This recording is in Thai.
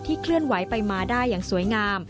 เคลื่อนไหวไปมาได้อย่างสวยงาม